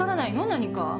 何か。